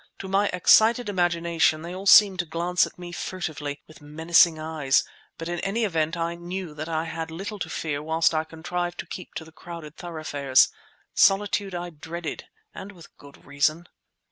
To my excited imagination they all seemed to glance at me furtively, with menacing eyes, but in any event I knew that I had little to fear whilst I contrived to keep to the crowded thoroughfares. Solitude I dreaded and with good reason.